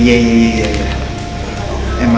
aku bisa mencoba